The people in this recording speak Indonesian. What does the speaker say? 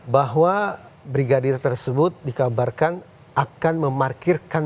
bahwa brigadir tersebut dikabarkan akan memarkirkan